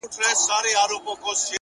علم د انسان د شخصیت جوړوونکی دی.